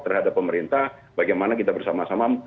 terhadap pemerintah bagaimana kita bersama sama